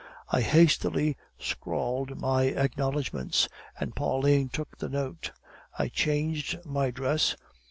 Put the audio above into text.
"I hastily scrawled my acknowledgements, and Pauline took the note. I changed my dress.